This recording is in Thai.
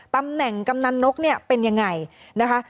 ตำแหน่งกำนันนกเนี่ยเป็นยังไงนะคะ